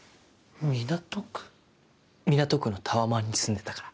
港区のタワマンに住んでたから。